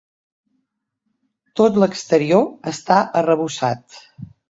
Tot l'exterior està arrebossat.